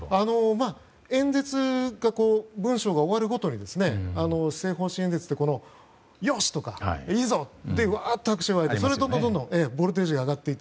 演説が文章が終わるごとに施政方針演説ってよし！とか、いいぞ！ってわーっと拍手が沸いてそれでどんどんボルテージが上がっていって